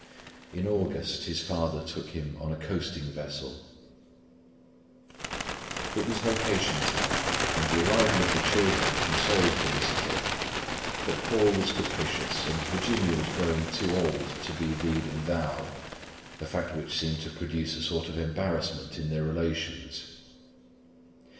In August, his father took him on a coasting vessel. It was vacation time and the arrival of the children consoled Félicité. But Paul was capricious, and Virginia was growing too old to be thee and thou'd, a fact which seemed to produce a sort of embarrassment in their relations.